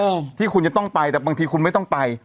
ที่คุณจะต้องไปแต่บางทีคุณไม่ต้องไป